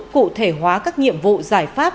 cụ thể hóa các nhiệm vụ giải pháp